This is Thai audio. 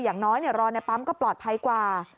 อย่างน้อยรอในปั๊มก็ปลอดภัยกว่า